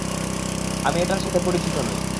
আমি এটার সাথে পরিচিত নই।